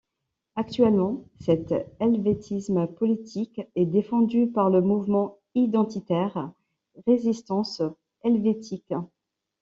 Actuellement, cet helvétisme politique est défendu par le mouvement identitaire Résistance Helvétique.